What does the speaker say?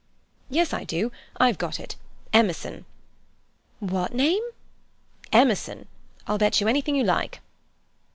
"Yes, I do. I've got it. Emerson." "What name?" "Emerson. I'll bet you anything you like."